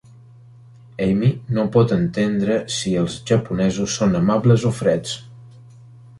Ami no pot entendre si els japonesos són amables o freds.